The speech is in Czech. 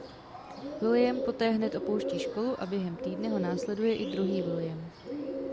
William poté hned opouští školu a během týdne ho následuje i druhý William.